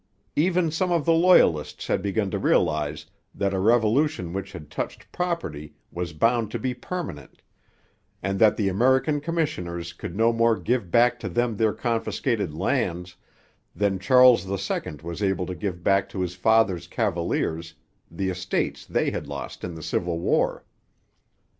Even some of the Loyalists had begun to realize that a revolution which had touched property was bound to be permanent, and that the American commissioners could no more give back to them their confiscated lands than Charles II was able to give back to his father's cavaliers the estates they had lost in the Civil War.